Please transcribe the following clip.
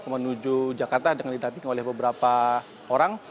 menuju jakarta dengan didamping oleh beberapa orang